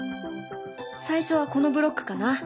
最初はこのブロックかな。